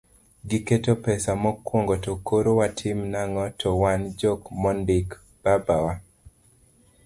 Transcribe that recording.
giketo pesa mokuongo to koro watim nang'o to wan jok mondik, baba wa